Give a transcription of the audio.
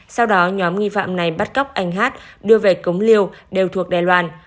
sau đó nhóm nghi phạm này bắt cóc anh hát đưa về cống liêu đều thuộc đài loan